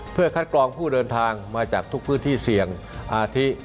เพื่อคัดกรองผู้เดินทางมาจากทุกพื้นที่เสี่ยงอาทิ